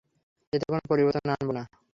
এতে কোন পরিবর্তন আনব না।